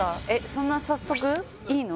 そんな早速いいの？